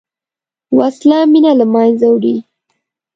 وسله مینه له منځه وړي